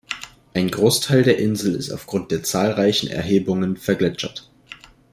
Ein Großteil der Insel ist aufgrund der zahlreichen Erhebungen vergletschert.